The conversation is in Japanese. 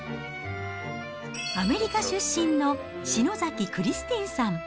アメリカ出身の篠崎クリスティンさん。